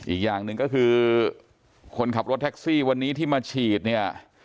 อีกอย่างหนึ่งก็คือคนขับรถแท็กซี่วันนี้ที่มาฉีดเนี่ย